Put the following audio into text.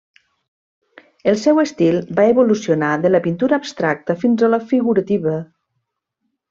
El seu estil va evolucionar de la pintura abstracta fins a la figurativa.